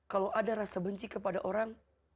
kalau ada rasa benci kepada orang